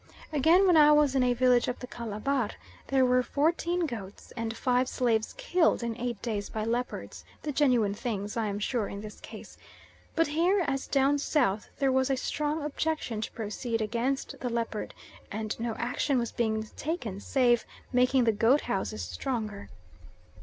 Again, when I was in a village up the Calabar there were fourteen goats and five slaves killed in eight days by leopards, the genuine things, I am sure, in this case; but here, as down South, there was a strong objection to proceed against the leopard, and no action was being taken save making the goat houses stronger.